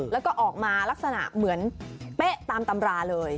แล้วก็ออกมาลักษณะเหมือนเป๊ะตามตำราเลย